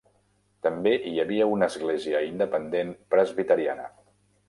També hi havia una església independent presbiteriana.